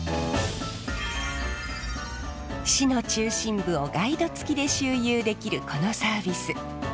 市の中心部をガイドつきで周遊できるこのサービス。